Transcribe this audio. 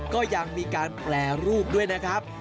ก็ยังมีการแปรรูปด้วยนะครับ